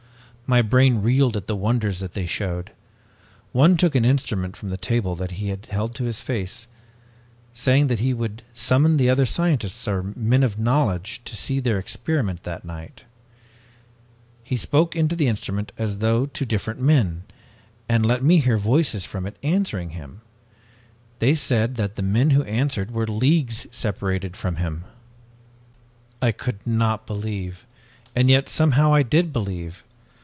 "My brain reeled at the wonders that they showed. One took an instrument from the table that he held to his face, saying that he would summon the other scientists or men of knowledge to see their experiment that night. He spoke into the instrument as though to different men, and let me hear voices from it answering him! They said that the men who answered were leagues separated from him! "I could not believe and yet somehow I did believe!